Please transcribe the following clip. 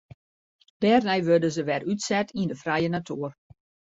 Dêrnei wurde se wer útset yn de frije natuer.